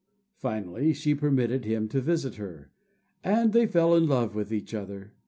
Finally she permitted him to visit her, and they fell in love with each other.